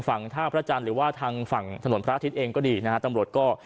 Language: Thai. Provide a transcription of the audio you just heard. ฝั่งท่าพระจันทร์หรือว่าทางฝั่งถนนพระอาทิตย์เองก็ดีนะฮะตำรวจก็